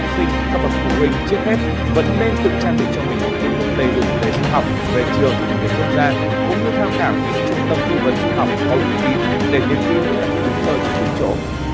cũng có theo cảm những trung tâm thư vấn du học không uy tín để nghiên cứu về các trung tâm ở những chỗ